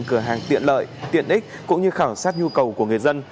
cửa hàng tiện lợi tiện ích cũng như khảo sát nhu cầu của người dân